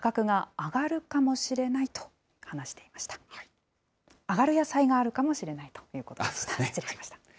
上がる野菜があるかもしれないということでした。